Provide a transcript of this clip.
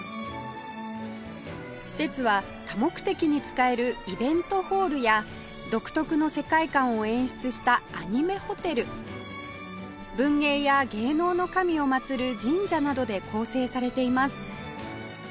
施設は多目的に使えるイベントホールや独特の世界観を演出したアニメホテル文芸や芸能の神を祭る神社などで構成されています